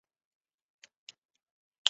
鼻肢闽溪蟹为溪蟹科闽溪蟹属的动物。